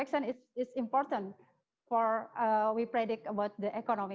kita mengharapkan tentang ekonomi